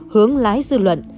hướng lái dư luận